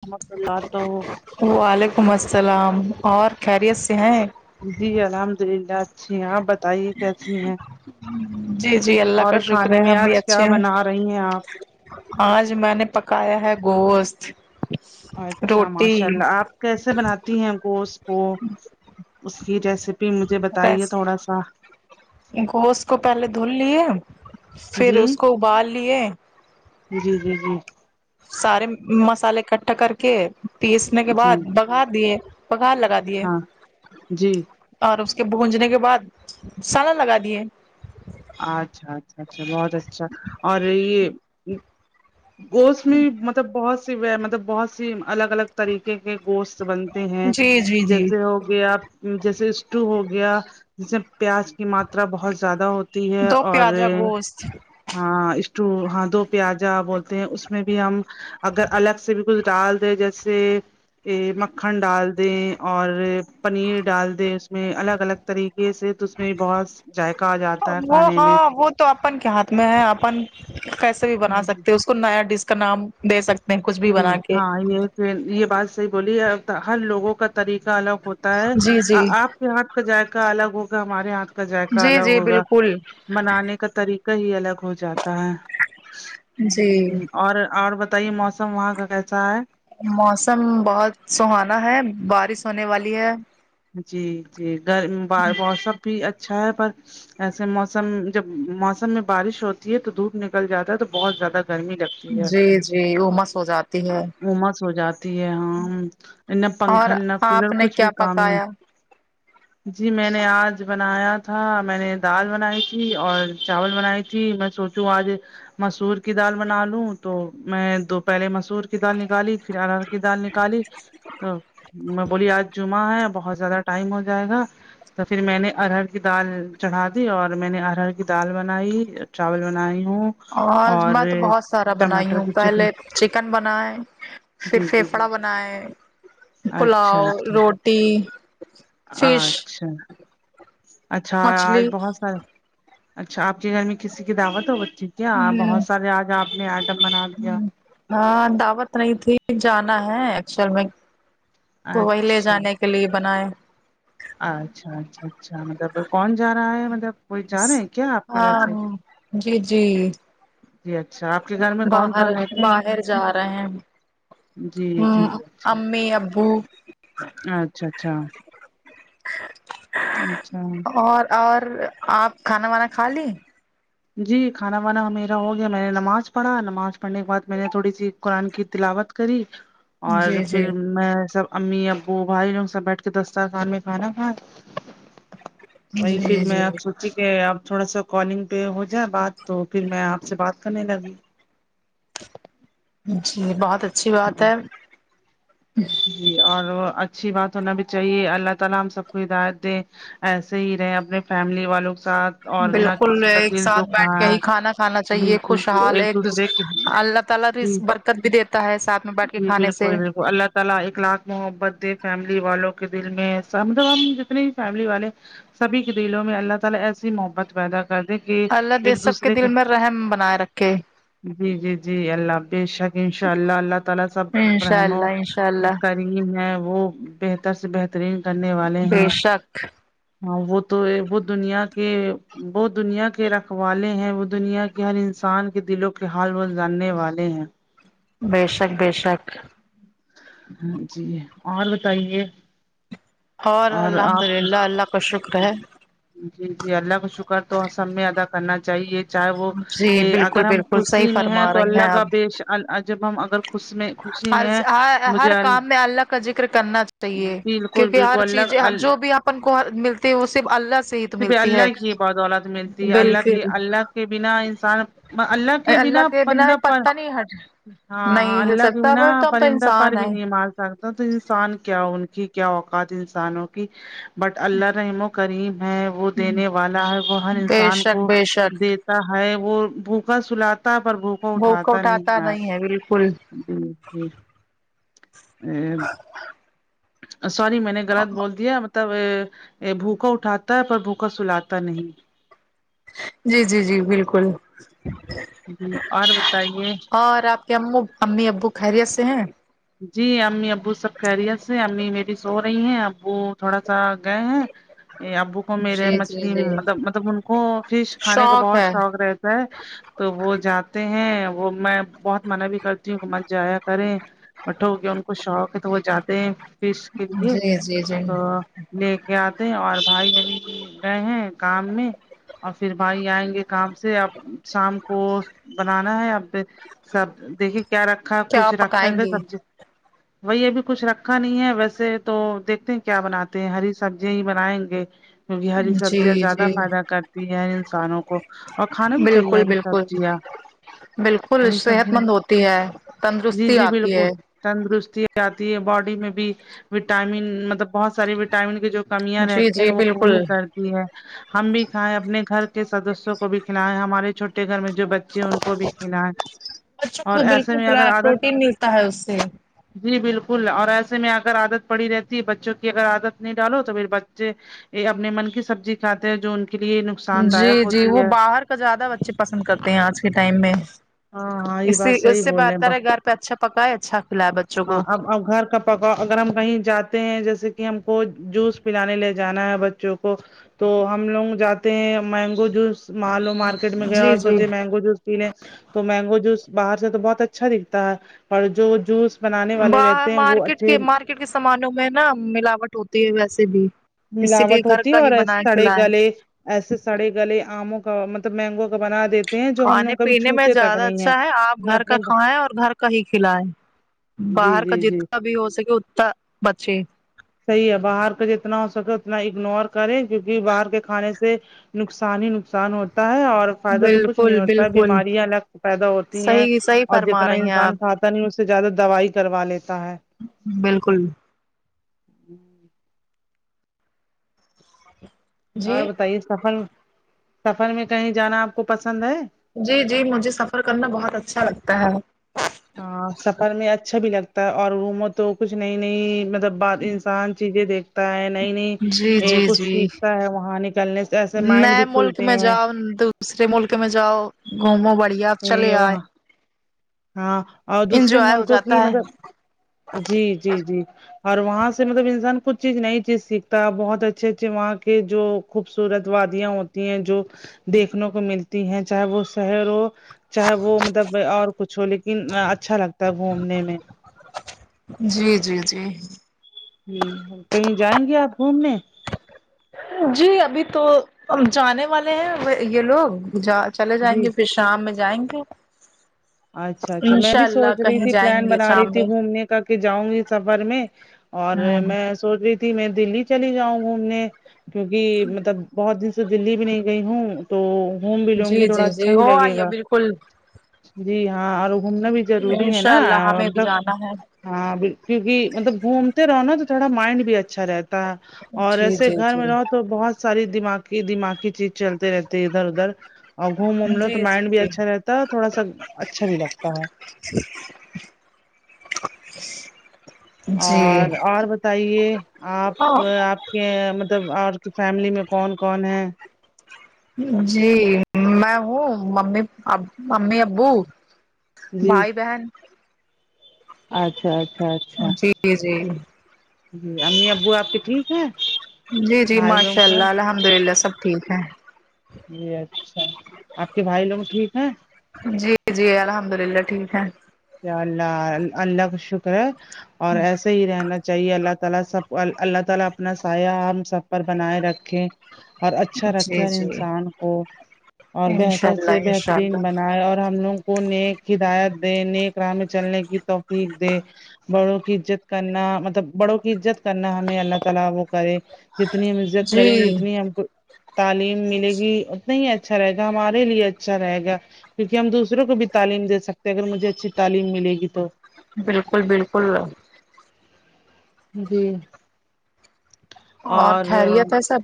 رحمد اللہ تو وعلیکم السلام اور خیریت سے ہیں جی الحمد للہ اچھی ہیں آپ بتائیے کیسی ہیں جی جی اللہ اور کا شکر کھانے ہے میں ہم بھی آج کیا اچھے ہیں بنا رہی ہیں آپ آج میں نے پکایا ہے گوشت اچھا ماشاء روٹی اللہ آپ کیسے بناتی ہیں ہم کو اس کو اس کی ریسیپی مجھے بتائیے ریس تھوڑا سا گوشت کو پہلے دھل لیے پھر جی اس کو ابال لیے جی جی جی سارے مسالے اکٹھا کر کے پیسنے کے جی بعد بگھار دیے بگھار لگا دی دیے ہاں جی اور اس کے بونجنے کے بعد سالن لگا دیے اچھا اچھا اچھا بہت اچھا اور یہ گوشت میں مطلب بہت سی مطلب بہت سی الگ الگ طریقے کے گوشت بن ہیں جی جی جی جیسے ہو گیا آپ جیسے اسٹو ہو گیا جیسے پیاز کی ماترا بہت زیادہ ہوتی ہے دو اور پیازا گوشت ہاں اسٹو ہاں دو پیازا بولتے ہیں اس میں بھی ہم اگر الگ سے بھی کچھ ڈال دے جیسے یہ مکھن ڈال د ہیں اور پنیر ڈال دے اس میں الگ الگ طریقے سے تو اس میں بھی بہت ذائقہ آ جاتا ہے وہ کھانے میں ہاں وہ تو اپن کے ہاتھ میں ہے اپن کیسے بھی بنا ہوں سکتے ہیں اس کو نیا ڈس کا نام دے سکتے میں کچھ بھی جی بنا کے ہاں یہ یہ بات صحیح بولی ہر لوگوں کا طریقہ الگ ہوتا ہے جی جی آپ کے ہاتھ کا ذائقہ الگ ہوگا ہمارے ہاتھ کا ذائقہ جی الگ جی ہوگا بالکل منانے کا طریقہ ہی الگ ہو جاتا ہے جی اور اور پ یہ موسم وہاں کا کیسا ہے موسم بہت سہانا ہے بارش ہونے والی ہے جی جی گ موسم بھی اچھا ہے پر ایسے موسم جب موسم میں بارش ہوتی ہے تو دھوپ نکل جاتا ہے تو بہت زیادہ گرمی لگتی جی جی وہ مس ہو جاتا مومس ہو جاتی ہے ہاں نہ اور پنکھا نہ کولر آپ نے کچھ کیا بھی کام ہے [inaudible] جی میں نے آج بنایا تھا میں نے دال بنائی تھی اور چاول بنائی تھی میں سو تو آج مسور کی دال بنا لوں تو میں دو پہلے مسور کی دال نکالی پھر انار کی دال نکالی تو میں بولی آج جمعہ ہے بہت زیادہ ٹائم ہو جائے گا تو پھر میں نے ارہر کی دال چڑھا دی اور میں نے ارہر کی دال بنائی چاول بنائی ہوں آج اور میں تو بہت سارا بنائی ٹماٹر ہوں کی چٹنی پہلے چکن بنائے پھر جی جی پھیپڑا جی بنائے اچھا پلاؤ اچھا روٹی فش اچھاج مچھلی بہت سارا اچھا آپ کے گھر میں کسی کی دعوت ہو گئی تھی کیا بہت سارے آج آپ نے آئٹم بنا لیا ہاں دعوت نہیں تھی جانا ہے ایکچول میں تو وہی لے اچھا جانے کے لیے بنائیں اچھا اچھا اچھا مطلب کون جا رہا ہے مطلب کوئی جا رہے ہیں کیا آپ کے گھر ہاں سے جی جی جی اچھا آپ کے گھر میں کون باہر کون رہتے ہیں باہر جا رہے ہیں جی جی ہ اچھا امی ابو اچھا اچھا اچھا اور اور آپ کھانا وانا کھا لی جی کھانا وانا میرا ہو گیا میں نے نماز پڑھا نماز پڑھنے کے بعد میں نے تھوڑی سی قرآن کی تلاوت کری [inaudible] اور جی پھر میں سب امی ابو بھائی لوگ سب بیٹھ کے دستارخان میں کھانا کھا وہی پھر جی جی میں آپ سوچی کہ آپ تھوڑا سا کالنگ پہ ہو جائے بات تو پھر میں آپ سے بات کرنے لگی جی بہت اچھی بات ہے اور اچھی بات ہونا بھی چاہیے اللہ تعالی ہم سب کو ہدایت دے ایسے ہی رہے اپنے فیملی والوں کے ساتھ اور نہ بالکل کسی کا ایک دل ساتھ دکھ بیٹھ کے ہاں ہی کھانا کھانا جی چاہیے جی جی خوشحال ایک دوسر دوسرے کی اللہ جی ت برکت بھی دیتا ہے ساتھ میں بیٹھ کے کھانے سے ت اکلاھ محبت دے فیملی والوں کے دل میں مطلب ہم جتنے بھی فیملی والے سبھی کے دلوں میں اللہ تعالی ایسی محبت پیدا کر دے کہ اللہ دے ایک سب کے دوسرے دل کا میں رحم بنائے رکھے جی جی اللہ بے شک انشاءاللہ اللہ تعالی سب پر انشاء رحم و اللہ انشاء اللہ کریم ہے وہ بہتر سے بہترین کرنے والے بے ہیں شک ہاں وہ تو وہ دنیا کے وہ دنیا کے رکھوالے ہیں وہ دنیا کہ ہر انسان کے دلوں کے حال و جاننے والے ہیں ب شک ب شک ہ جی اور بتائیے اور الحمد آپ کے للہ اللہ کا شکر ہے جی جی اللہ کا شکر تو سم میں ادا کرنا چاہیے چاہے وہ جی بالکل اگر ہم بالکل صحیح خوشی میں ہیں فرما تو رہی اللہ کا بی آپ جب ہم اگر خوش میں خوشی ہر میں ہے ہ ہر مجھے کام میں اللہ کا ذکر کرنا چاہیے بالکل کیونکہ بالکل ہر اللہ چیزیں ال جو بھی اپن کو ملتی ہیں وہ صرف اللہ سے ہی تو ملتی ہے جی اللہ کے بالکل اللہ کے بنا انسان اللہ کے بنا بندہ پر ہاں ہاں نہیں ہل اللہ کی سکتا بھینا پر تو ہم تو پرندہ پر انسان ہے بھی نہیں مار سکتا تو انسان کیا ان کی کیا وق ات انسانوں کی بٹ اللہ رحم و کریم ہے وہ دینے والا ہے وہ ہر بے انسان شک کو بے شک د ہے وہ بھوکا سلاتا پر بھکا بھوک اٹھاتا نہیں ہے بالکل جی جی ا سور میں نے غلط بول دیا تب بھوکا اٹھاتا ہے پر بھوکا سلاتا نہیں جی جی جی بالکل جی اور بتائیے کہ ہم امی ابو خھری آسے ہیں جی امی ابو سب کہہریی سے امی میری سو رہی ہیں ابو تھوڑا سا گئے ہیں یہ ابو کو جی میرے مچھلی جی مطلب مطلب ان کو فش کھانے کا بہت شوق رہتا تو وہ جاتے ہیں وہ میں بہت منع بھی کرتی ہوں کہ من جایا کریں مٹھا ہو گیا ان کو شوق ہے تو وہ جاتے ہیں فش کے لیے جی جی جی تو لے کے آتے ہیں اور بھائی بب گئے ہیں کام میں اور پھر بھائی آئیں گے کام سے اب شام کو بنانا ہے اب سب دیکھیے کیا رکھا کیا کچھ رکھا پکائیں ہے گ گی سبزی وہی ابھی کچھ رکھا نہیں ہے ویسے تو دیکھتے ہیں کیا بناتے ہیں ہری سبزیاں ہی بنائیں گے کیونکہ ہری جی سبزیاں زیادہ جی فائدہ کرتی ہیں انسانوں کو اور کھانا بھی چاہیے بالکل ہری بالکل سبزیاں بالکل ہری صحت سبزیاں مند ہوتی ہے جی تندرستی جی آتی بالکل ہے تندرستی آتی ہے باڈی میں بھی وٹامن مطلب بہت سارے وٹامن کے جو کمیاں جی رہتی ہیں جی وہ بالکل پوری کر ہم بھی کھیں اپنے گھر کے سدسوں کو بھی کھلیں ہمارے چھوٹے چھوٹے گھر میں جو بچے ہیں ان کو بھی کناا ہے اور ایسے میں اگر عادت تا ہے اس سے جی بالکل اور ایسے میں اگر عادت پڑی رہتی بچوں کی اگر عادت نہیں ڈالو تو پھر بچے یہ اپنے من کی سبزی کھاتے ہیں جو ان کے لیے نقصان جی دایک جی ہوتی وہ ہے باہر کا زیادہ بچے پسند کرتے ہیں آج کے ٹائم میں ہاں ہاں یہ اس بات اس صحیح سے بول رہے بہتر ہیں ہے گھر پہ اچھا پکاائے اچھا کھلائے بچوں ہاں کو اب گھر کا پکا اگر ہم کہیں جاتے ہیں جیسے کہ ہم کو جوس پلانے لے جانا ہے بچوں کو تو ہم لوگ جاتے ہیں مینگو جوس مارکیٹ میں گیا جی اور جی سوچے مینگو جوس تو مینگو جوس باہر سے تو بہت اچھا دکھتا ہے اور جو جوس بنانے والے رہتے ہیں وہ اچھے کٹ کے سامانوں میں نا ملاوٹ ہوتی ہے ویسے بھی اسی لیے ملاوٹ گھر ہوتی ہے کا ہی اور بنا سڑے کھلائیں گلے ایسے سڑے گلے آموں کا مطلب مینگو کا بنا دیتے ہیں جو ہم کھانے لوگ کبھی پینے میں چھوتے تک زیادہ نہیں اچھا ہے آپ نہ گھر کا اپنے کھائیں اور گھر کا ہی کھلیں جی باہر کا جی جی جتنا بھی ہو سکے اتتا بچے صحیح ہے باہر کا جتنا ہو سکے اتنا اگنور کرے کیونکہ باہر کے کھانے سے نقصان ہی نقصان ہوتا ہے اور فائدہ تو کچھ نہیں بالکل ہوتا ہے بالکل بیماریاں الگ پیدا ہوتی ہیں صحیح صحیح اور فرما جتنا رہی ہیں انسان آپ کھا نہیں اس سے زیادہ دوائی کروا لیتا ہے بالکل جی جی اور بتائیے سفر سفر میں کہیں جانا آپ کو پسند ہے جی جی مجھے سفر کرنا بہت اچھا لگتا ہے ہاں سفر میں اچھا بھی لگتا ہے اور روم تو کچھ نئی نئی مطلب بات انسان چیزیں دھ ہے نئی نئی جی یہ جی کچھ جی سیکھتا ہے وہاں نکلنے سے ایسے مائنڈ بھی نئے ملک کھلتے میں ہیں جاؤ دوسرے ملک میں جاؤ گھومو بڑھیا اب چلے یہ آئے وہاں ہاں اور دوسرے انجوائے ہو ملکوں کی جاتا ہے مطلب جی جی جی اور وہاں سے مطلب انسان کچھ چیز نئی چیز سیکھتا ہے بہت اچھے اچھے وہاں کے جو خوبصورت وادیاں ہوتی ہیں جو دیکھنے کو ملتی ہیں چاہے وہ شہروں چاہے وہ مطلب اور کچھ ہو لیکن اچھا لگتا ہے گھومنے میں جی جی جی ہوں کہیں جائیں گے آپ گھومنے جی ابھی تو جانے والے ہیں یہ لوگ جا چلے جی جائیں گے پش شام میں جائیں گے اچھا اچھا میں انشاء بھی اللہ سوچ رہی کہیں تھی جائیں پلان گے بنا رہی شام تھی میں گھومنے کا کر کے جاؤں گی سفر میں اور ہوں میں سوچ رہی تھی میں دلی چلی جاؤں گھومنے کیونکہ مطلب بہت دن سے دللی بھی نہیں گئی ہوں تو ہوم بھی لوں گی جی تھوڑا جی اچھا جی بھی ہو لگے آئیے گا بالکل جی ہاں اور گھومنا بھی ضروری ہے نا انشاء اللہ ہمیں بھی مطب جانا ہے ہاں کیونکہ مطلب گھومتے رہو نا تو تھوڑا مائنڈ بھی اچھا رہتا اور جی ایسے جی گھر میں جی رہو تو بہت ساری دماغ دماغی چیز چلتے رہتی ہے ادھر ادھر اور گھوم وھوم لو تو جی مائنڈ بھی جی اچھا رہتا ہے تھوڑا سا اچھا بھی لگتا ہے [inaudible] اور جی اور بتائیے آپ آپ کہ مطلب اور کی فیملی میں کون کون ہے جی میں ہوں ممی ممی ابو جی بھائی بہن اچھا اچھا اچھا جی جی جی امی ابو آپ کے ٹھیک ہے جی جی بھائی لوگ ماشاء اللہ سب الحمد للہ سب ٹھیک ہے جی اچھا آپ کے بھائی لوگ ٹھیک ہیں جی جی الحمد للہ ٹھیک ہے ا اللہ اللہ کا شکر ہے اور ایسا ہی رہنا چاہیے اللہ تعالی سب اللہ تعالی اپنا سایہ ہم سب پر بنائے رکھے اور اچھا رکھے جی اور جی انسان کو اور انشاء بہتر اللہ سے انشاء بہترین اللہ بنائے اور ہم لوگوں کو نیک ہدایت دے نیک ر میں چلنے کی توقیق دے [unintelligible] بڑوں کی عزت کرنا مطلب بڑوں کی عزت کرنا ہمیں اللہ تعالی وہ کرے جتنی ہم عزت جی کریں گے جتنی ہم کو تعلیم ملے گی اتنا ہی اچھا رہے گا ہمارے لیے اچھا رہے گا کیونکہ ہم دوسروں کو بھی تعلیم دے سکتے ہیں اگر مجھے اچھی تعلیم ملے گی تو بالکل بالکل جی اور خیریت ہے سب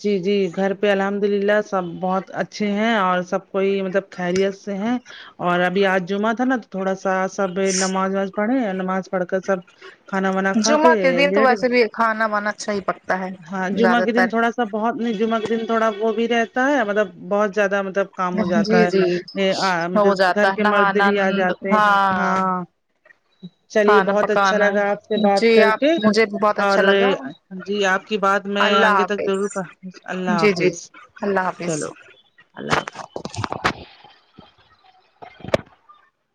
جی جی گھر پہ الحمد للہ سب بہت اچھے ہیں اور سب کوئی مطلب خیریت سے ہیں اور ابھی آج جمعہ تھا نا تو تھوڑا سا سب نماز وماز پڑھے نماز پڑھ کر سب کھانا وانا کھا کے جمعہ دن تو لیٹ ویسے بھی کھانا وانا اچھا ہی پکتا ہے ہاں جمعہ زیادہ کے دن تر تھوڑا سب بہت جمک دن تھوڑا وہ بھی رہتا ہے مطلب بہت زیادہ مب ب کام ہو جاتا جی ہے جی یہ ہو مطلب گھر جاتا ہے کے مرد نہانا بھی آ جاتے ہیں ہاں ہ [inaudible] چلیے کھانا بہت اچھا پکانا لگا آپ سے بات جی کر کے آپ مجھے بہت اور اچھا لگا جی آپ کی بات میں اللہ آگے تک ضرور پ حافظ اللہ جی جی حافظ اللہ حافظ چلو اللہ حافظ